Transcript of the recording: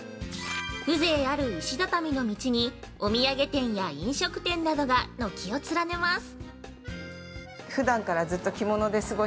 風情ある石畳の道に、お土産店や飲食店などが軒を連ねます。